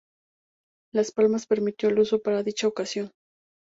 Las Palmas permitió el uso para dicha ocasión.